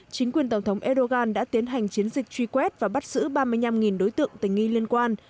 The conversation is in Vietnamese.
chính quyền tổng thống erdogan đã tiến hành chiến dịch truy quét và bắt giữ ba mươi năm đối tượng tình nghi liên quan